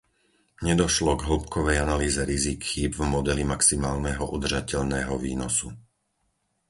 Nedošlo k hĺbkovej analýze rizík chýb v modeli maximálneho udržateľného výnosu.